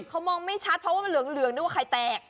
เขามองไม่ชัดเพราะว่ามันเหลืองนึกว่าไข่แตก